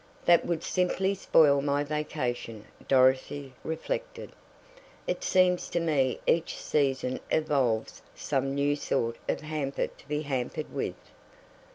"That would simply spoil my vacation," Dorothy reflected. "It seems to me each season evolves some new sort of hamper to be hampered with."